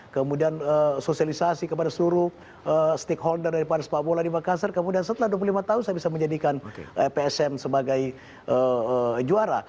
kemudian sosialisasi kepada seluruh stakeholder daripada sepak bola di makassar kemudian setelah dua puluh lima tahun saya bisa menjadikan psm sebagai juara